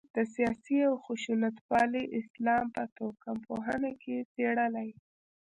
د سیاسي او خشونتپالي اسلام په توکم پوهنه کې څېړلای.